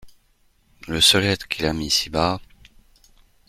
Le seul être qu’il aime ici-bas…